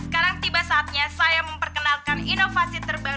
kau yang lagi pengen bilang apa